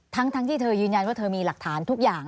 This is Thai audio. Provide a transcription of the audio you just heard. ทั้งที่เธอยืนยันว่าเธอมีหลักฐานทุกอย่าง